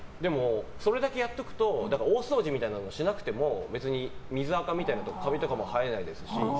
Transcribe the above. それだけやっておくと大掃除みたいなのをしなくても別に水あかとかカビとかも生えないですし。